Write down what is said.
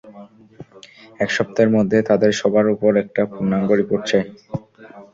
এক সপ্তাহের মধ্যে তাদের সবার উপর একটা পূর্ণাঙ্গ রিপোর্ট চাই।